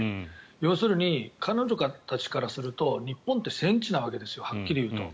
要するに彼女たちからすると日本って戦地なわけですよはっきり言うと。